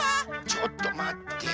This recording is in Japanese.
ちょっとまって。